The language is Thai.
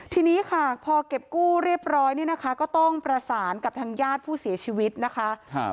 ทีนี้ค่ะพอเก็บกู้เรียบร้อยเนี่ยนะคะก็ต้องประสานกับทางญาติผู้เสียชีวิตนะคะ